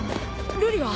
瑠璃は？